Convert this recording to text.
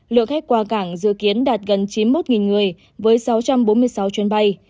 lượng khách qua cảng dự kiến đạt gần chín mươi một người với sáu trăm bốn mươi sáu chuyến bay